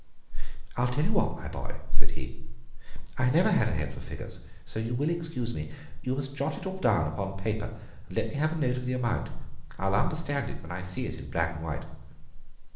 "I'll tell you what, my boy," said he. "I never had a head for figures, so you will excuse me. You must jot it all down upon paper, and let me have a note of the amount. I'll understand it when I see it in black and white."